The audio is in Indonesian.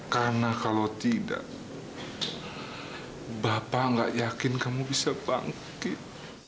karena kalau tidak bapak nggak yakin kamu bisa bangkit